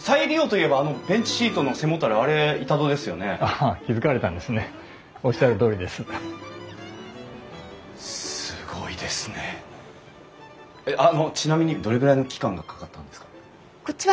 えっあのちなみにどれぐらいの期間がかかったんですか？